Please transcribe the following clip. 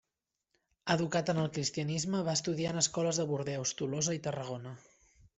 Educat en el cristianisme, va estudiar en escoles de Bordeus, Tolosa i Tarragona.